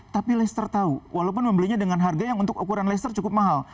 tapi leicester tahu walaupun membelinya dengan harga yang untuk ukuran leicester cukup mahal